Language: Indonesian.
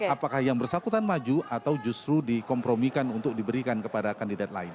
apakah yang bersangkutan maju atau justru dikompromikan untuk diberikan kepada kandidat lain